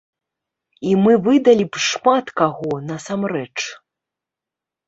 І мы выдалі б шмат каго, насамрэч.